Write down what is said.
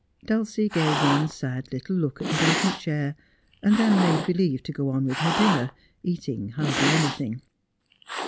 Dulcie gave one sad little look at the vacant chair, and then made believe to go on with her dinner, eating hardly anything.